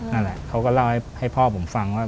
นั่นแหละเขาก็เล่าให้พ่อผมฟังว่า